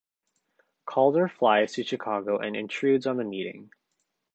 Calder flies to Chicago and intrudes on the meeting.